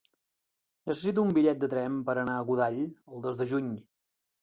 Necessito un bitllet de tren per anar a Godall el dos de juny.